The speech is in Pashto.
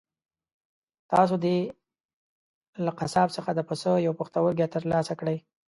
تاسو دې له قصاب څخه د پسه یو پښتورګی ترلاسه کړئ.